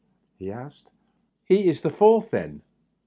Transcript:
he asked. " He is the fourth, then